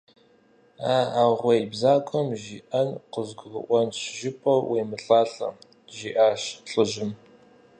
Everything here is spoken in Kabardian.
– А аргъуей бзагуэм жиӀэр къызгурыӀуэнщ жыпӀэу уемылӀалӀэ, – жиӀащ лӀыжьым.